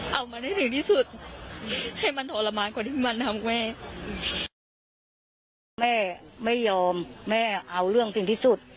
เอามันให้ถึงที่สุด